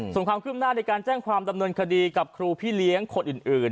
ส่วนความคืบหน้าในการแจ้งความดำเนินคดีกับครูพี่เลี้ยงคนอื่น